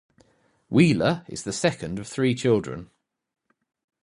Wheeler is the second of three children.